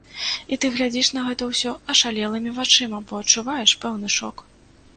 І ты глядзіш на гэта ўсё ашалелымі вачыма, бо адчуваеш пэўны шок.